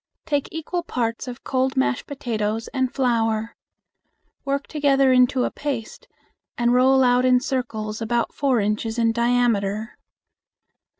Take equal parts of cold mashed potatoes and flour. Work together into a paste and roll out in circles about four inches in diameter.